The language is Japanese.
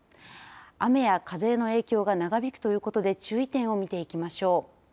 雨や風の影響が長引くということで注意点を見ていきましょう。